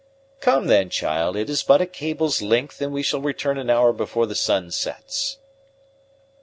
"Come, then, child; it is but a cable's length, and we shall return an hour before the sun sets."